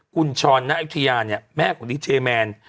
กุญชรน๊าอิทยาแม่ของดิเทมน์